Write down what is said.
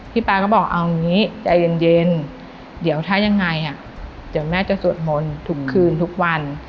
ป๊าก็บอกเอาอย่างนี้ใจเย็นเดี๋ยวถ้ายังไงเดี๋ยวแม่จะสวดมนต์ทุกคืนทุกวัน